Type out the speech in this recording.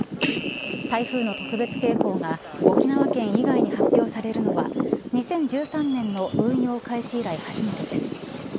台風の特別警報が沖縄県以外に発表されるのは２０１３年の運用開始以来、初めてです。